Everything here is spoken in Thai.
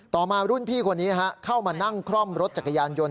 ต่อมารุ่นพี่คนนี้เข้ามานั่งคล่อมรถจักรยานยนต